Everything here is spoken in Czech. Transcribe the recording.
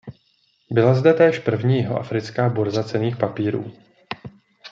Byla zde též první jihoafrická burza cenných papírů.